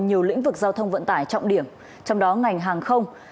nhiều lĩnh vực giao thông vận tải trọng điểm trong đó ngành hàng không